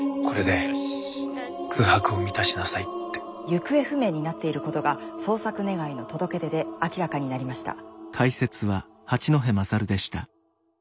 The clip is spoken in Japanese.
行方不明になっていることが捜索願の届け出で明らかになりました。